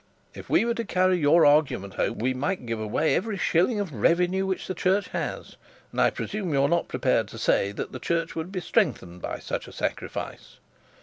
If we were to carry your argument home, we might give away every shilling of revenue which the church has; and I presume you are not prepared to say that the church would be strengthened by such a sacrifice.'